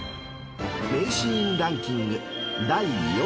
［名シーンランキング］